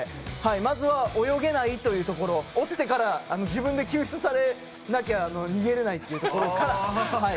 まずは泳げないというところ、落ちてから自分で救出されなきゃ逃げれないところから。